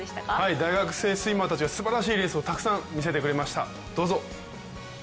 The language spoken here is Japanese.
大学生スイマーたちがすばらしいレースをたくさん見せてくれました。